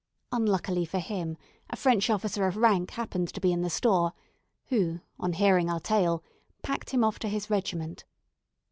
Unluckily for him, a French officer of rank happened to be in the store, who, on hearing our tale, packed him off to his regiment.